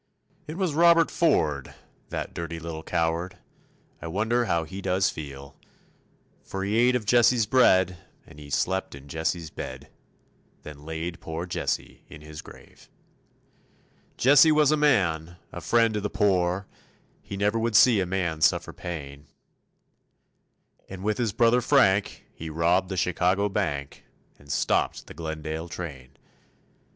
It was Robert Ford, that dirty little coward, I wonder how he does feel, For he ate of Jesse's bread and he slept in Jesse's bed, Then laid poor Jesse in his grave. Jesse was a man, a friend to the poor, He never would see a man suffer pain; And with his brother Frank he robbed the Chicago bank, And stopped the Glendale train.